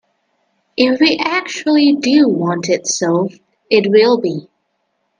If we actually do want it solved, it will be.